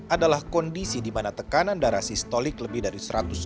adalah kondisi di mana tekanan darah sistolik lebih dari satu ratus empat puluh